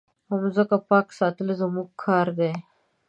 مځکه پاک ساتل زموږ کار دی.